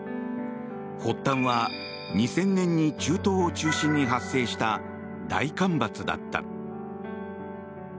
発端は２０００年に中東を中心に発生した大干ばつだった。